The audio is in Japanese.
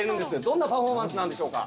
どんなパフォーマンスなんでしょうか？